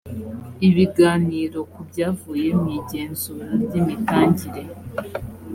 ibiganiro ku byavuye mu igenzura ry imitangire